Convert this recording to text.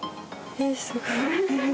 へえすごい。